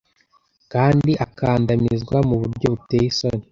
Kandi akandamizwa mu buryo buteye isoni